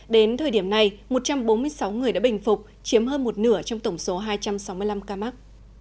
đến thời điểm này một trăm bốn mươi sáu người đã bình phục chiếm hơn một nửa trong tổng số hai trăm sáu mươi năm ca mắc